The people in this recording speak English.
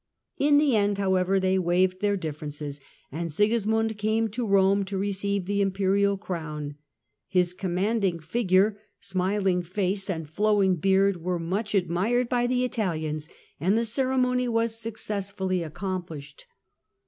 In the end, however, they waived their differences, and Sigismund came to Rome to receive the Imperial crown Coronation His commanding figure, smiling face and flowing beard were much admired by the Italians, and the ceremony was successfully accomplished.